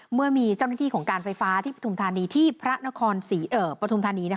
เมื่อมีเจ้าหน้าที่ของการไฟฟ้าที่ประธุมธรรมนี้